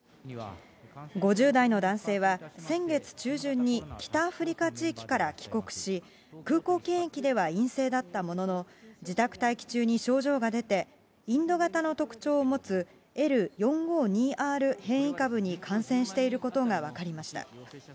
５０代の男性は、先月中旬に北アフリカ地域から帰国し、空港検疫では陰性だったものの、自宅待機中に症状が出て、インド型の特徴を持つ、Ｌ４５２Ｒ変異株に感染していることが分かりました。